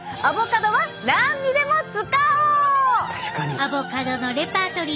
アボカドのレパートリー